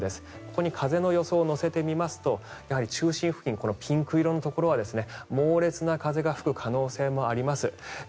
ここに風の予想を乗せてみますと中心付近このピンク色のところは猛烈な風が吹く可能性もあります。